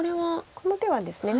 この手はですね